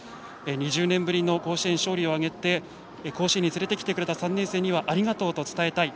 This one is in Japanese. ２０年ぶりの甲子園勝利を挙げて甲子園に連れてきてくれた３年生にはありがとうと伝えたい。